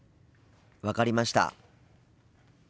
分かりました。